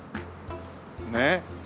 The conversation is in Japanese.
ねえ。